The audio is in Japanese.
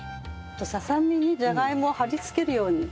ささみにじゃがいもを張り付けるような形に。